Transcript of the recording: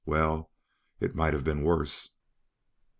Well, it might have been worse."